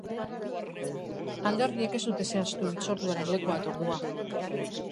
Alderdiek ez dute zehaztu hitzorduaren lekua eta ordua.